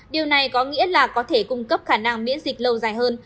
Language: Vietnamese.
điều này có nghĩa là có thể cung cấp khả năng miễn dịch lâu dài hơn